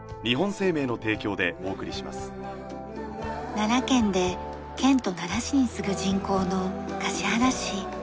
奈良県で県都奈良市に次ぐ人口の橿原市。